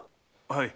はい。